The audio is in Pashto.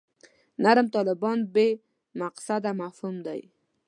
نرم طالبان بې مصداقه مفهوم دی.